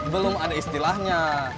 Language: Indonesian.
belum ada istilahnya